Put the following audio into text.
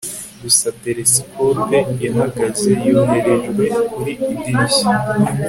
gusa telesikope yahagaze yoherejwe kuri idirishya